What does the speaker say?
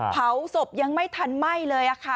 เผาศพยังไม่ทันไหม้เลยค่ะ